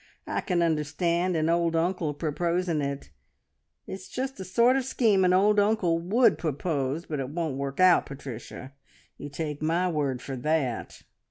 I can understand an old uncle proposing it it's just the sort of scheme an old uncle would propose but it won't work out, Patricia, you take my word for that!"